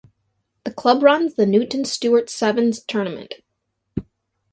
The club runs the Newton Stewart Sevens tournament.